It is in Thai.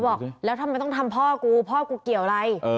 บอกแล้วทำไมต้องทำพ่อกูพ่อกูเกี่ยวอะไร